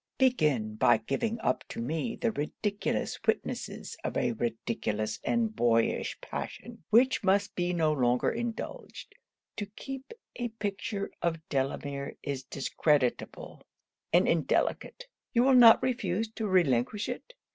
Begin by giving up to me the ridiculous witnesses of a ridiculous and boyish passion, which must be no longer indulged; to keep a picture of Delamere is discreditable and indelicate you will not refuse to relinquish it?'